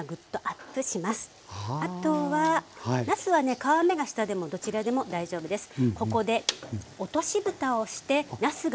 あとはなすはね皮目が下でもどちらでも大丈夫です。